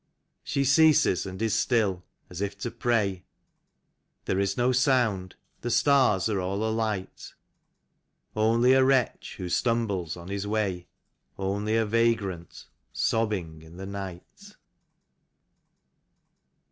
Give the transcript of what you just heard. She ceases and is still, as if to pray; There is no sound, the stars are all alight — Only a wretch who stumbles on his way. Only a vagrant sobbing in the night.